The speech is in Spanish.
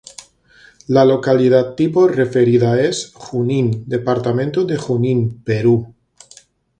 La localidad tipo referida es: Junín, departamento de Junín, Perú.